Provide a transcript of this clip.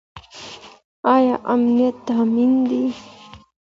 ايا امنيت تامين دی؟